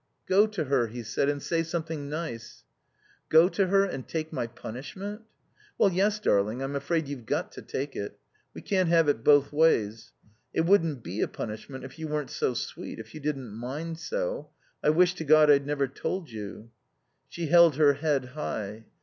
_" "Go to her," he said, "and say something nice." "Go to her and take my punishment?" "Well, yes, darling, I'm afraid you've got to take it. We can't have it both ways. It wouldn't be a punishment if you weren't so sweet, if you didn't mind so. I wish to God I'd never told you." She held her head high.